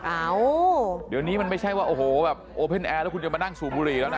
อาวววเดี๋ยวนี้มันไม่ใช่ว่าโอฮีลแอร์แล้วคุณจะมานั่งสูบบุรีแล้วนะ